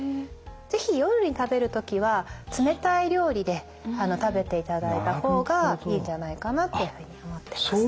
是非夜に食べる時は冷たい料理で食べていただいた方がいいんじゃないかなっていうふうに思ってます。